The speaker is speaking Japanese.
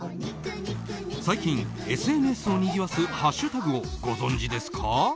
最近、ＳＮＳをにぎわすハッシュタグをご存じですか？